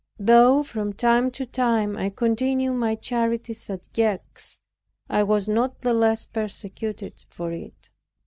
Though from time to time I continued my charities at Gex, I was not the less persecuted for it.